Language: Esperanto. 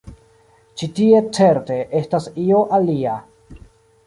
Ĉi tie, certe, estas io alia.